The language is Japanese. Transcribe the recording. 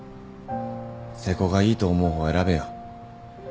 瀬古がいいと思う方を選べよ。